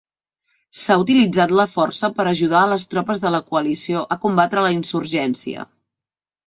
S'ha utilitzat la força per ajudar a les tropes de la Coalició a combatre la insurgència.